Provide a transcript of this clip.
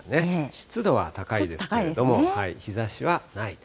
湿度はちょっと高いですけれども、日ざしはないと。